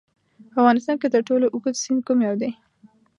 په افغانستان کې تر ټولو اوږد سیند کوم یو دی؟